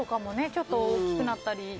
ちょっと大きくなったり。